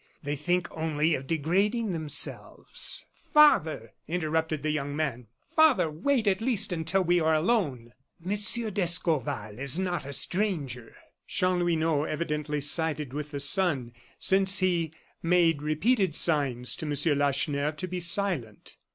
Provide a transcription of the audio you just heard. They think only of degrading themselves." "Father," interrupted the young man; "father, wait, at least, until we are alone!" "Monsieur d'Escorval is not a stranger." Chanlouineau evidently sided with the son, since he made repeated signs to M. Lacheneur to be silent.